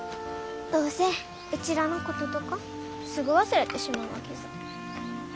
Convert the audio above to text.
どうせうちらのこととかすぐ忘れてしまうわけさ。